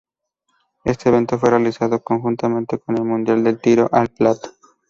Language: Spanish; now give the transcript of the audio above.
Este evento fue realizado conjuntamente con el Mundial de Tiro al Plato.